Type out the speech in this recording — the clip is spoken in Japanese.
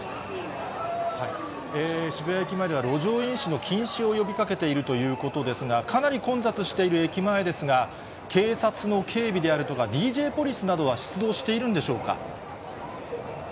渋谷駅前では、路上飲酒の禁止を呼びかけているということですが、かなり混雑している駅前ですが、警察の警備であるとか、ＤＪポリスなどは出動しているんでしょうか。